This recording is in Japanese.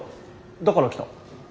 だから来た。